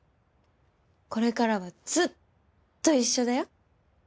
これからはずっと一緒だよ。